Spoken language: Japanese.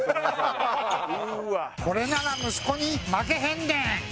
これなら息子に負けへんで！